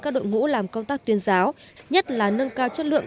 các đội ngũ làm công tác tuyên giáo nhất là nâng cao chất lượng